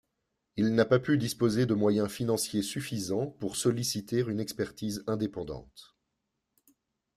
Il n'a pas pu disposer de moyens financiers suffisants pour solliciter une expertise indépendante.